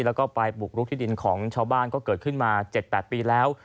แล้วก็ไปบุกรุกที่ดินของชาวบ้านก็เกิดขึ้นมา๗๘ปีแล้ว